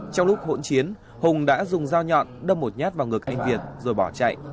trong lúc hỗn chiến hùng đã dùng dao nhọn đâm một nhát vào ngực anh việt rồi bỏ chạy